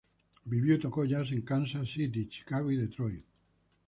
Vivió y tocó jazz en Kansas City, Chicago y Detroit.